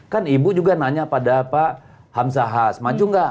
kan ibu juga nanya pada pak hamzah has maju gak